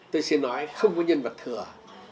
tôi xin nói không có nhân vật thừa